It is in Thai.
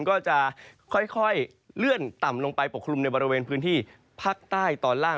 ก็จะค่อยเลื่อนต่ำลงไปปกคลุมในบริเวณพื้นที่ภาคใต้ตอนล่าง